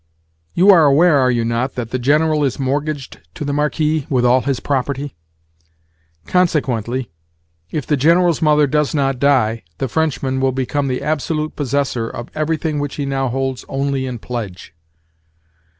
"You are aware, are you not, that the General is mortgaged to the Marquis, with all his property? Consequently, if the General's mother does not die, the Frenchman will become the absolute possessor of everything which he now holds only in pledge."